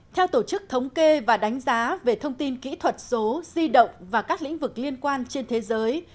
theo tổ chức thống kê và đánh giá về thông tin kỹ thuật số di động và các lĩnh vực liên quan trên thế giới